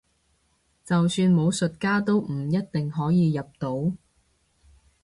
就算武術家都唔一定可以入到